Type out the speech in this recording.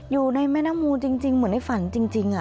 อยู่ในแม่น้ำมูลจริงเหมือนในฝันจริง